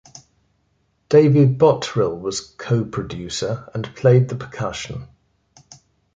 David Bottrill was co-producer and played the percussion.